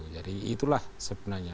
jadi itulah sebenarnya